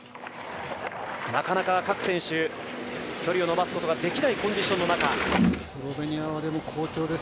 なかなか各選手距離を伸ばすことができないコンディションの中。